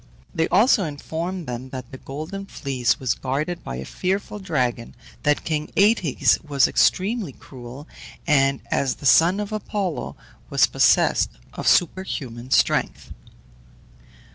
They also informed them that the Golden Fleece was guarded by a fearful dragon, that king Aëtes was extremely cruel, and, as the son of Apollo, was possessed of superhuman strength.